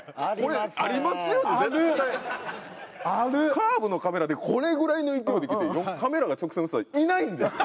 カーブのカメラでこれぐらいの勢いで来てカメラが直線映したらいないんですよ。